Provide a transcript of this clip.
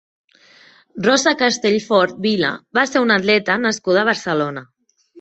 Rosa Castellfort Vila va ser una atleta nascuda a Barcelona.